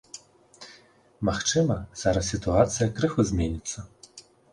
Магчыма, зараз сітуацыя крыху зменіцца.